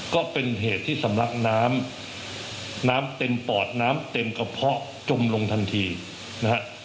ก็เป็นเหตุที่สำลักน้ำน้ำเต็มปอดน้ำเต็มกระเพาะจมลงทันทีนะฮะ